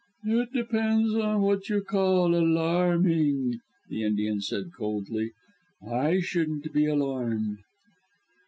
"It depends on what you call alarming," the Indian said coldly. "I shouldn't be alarmed."